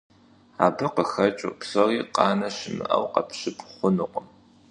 Абы къыхэкӀыу псори къанэ щымыӀэу къэпщып хъунукъым.